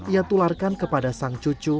ia tularkan kepada sang cucu